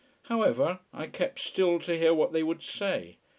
However, I kept still to hear what they would say.